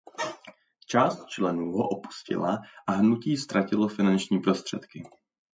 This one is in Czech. Část členů ho opustila a hnutí ztratilo finanční prostředky.